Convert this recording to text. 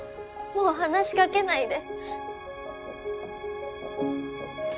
もう話しかけないで。